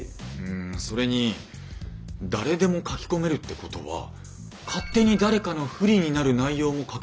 んそれに誰でも書き込めるってことは勝手に誰かの不利になる内容も書けるわけですよね？